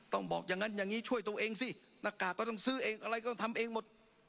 บอกอย่างนั้นอย่างนี้ช่วยตัวเองสิหน้ากากก็ต้องซื้อเองอะไรก็ต้องทำเองหมด